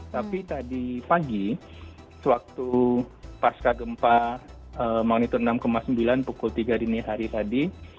tapi tadi pagi sewaktu pasca gempa magnitud enam sembilan pukul tiga dini hari tadi